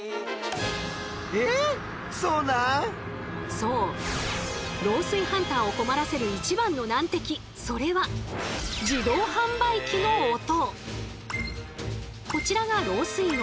そう漏水ハンターを困らせる一番の難敵それはこちらが漏水音。